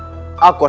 aku harus menghendaki